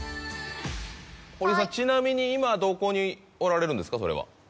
堀井さんちなみに今どこにおられるんですかそれは。